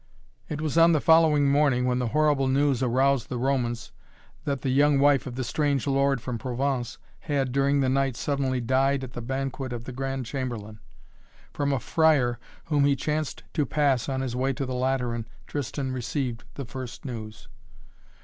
It was on the following morning when the horrible news aroused the Romans that the young wife of the strange lord from Provence had, during the night, suddenly died at the banquet of the Grand Chamberlain. From a friar whom he chanced to pass on his way to the Lateran Tristan received the first news.